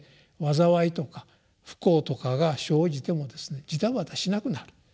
災いとか不幸とかが生じてもですねじたばたしなくなる。